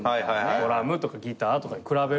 ドラムとかギターとかに比べるとね。